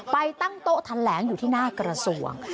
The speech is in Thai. ไปตั้งโต๊ะแถลงอยู่ที่หน้ากระทรวง